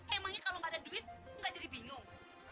emangnya kalau tidak ada duit tidak jadi bingung